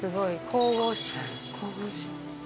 神々しい。